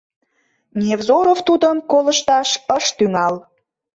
Невзоров тудым колышташ ыш тӱҥал.